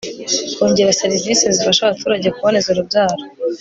kongera servise zifasha abaturage kuboneza urubyaro